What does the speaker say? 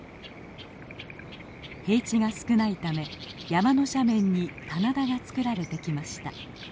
平地が少ないため山の斜面に棚田が作られてきました。